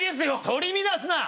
取り乱すな！